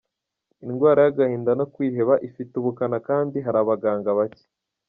Indwara y’agahinda no kwiheba ifite ubukana kandi hari abaganga bake